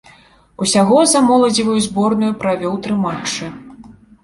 Усяго за моладзевую зборную правёў тры матчы.